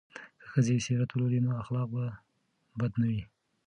که ښځې سیرت ولولي نو اخلاق به بد نه وي.